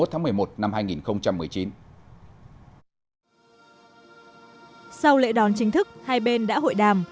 sau lễ đón chính thức hai bên đã hội đàm